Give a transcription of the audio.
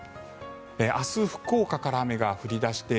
明日、福岡から雨が降り出して